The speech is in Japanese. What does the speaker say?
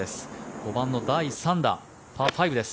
５番の第３打、パー５です。